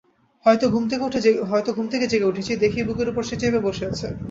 হয়তো হঠাৎ ঘুম থেকে জেগে উঠেছি, দেখি বুকের উপর সে চেপে বসে আছে।